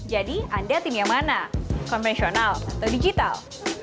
jadi anda tim yang mana konvensional atau digital